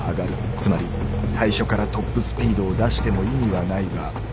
つまり最初からトップスピードを出しても意味はないが。